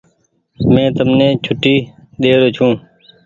مين تمني ڇوٽي ڏيرو ڇو۔